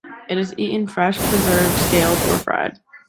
It is eaten fresh, preserved, scalded or fried.